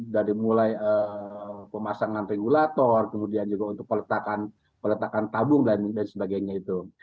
dari mulai pemasangan regulator kemudian juga untuk peletakan tabung dan sebagainya itu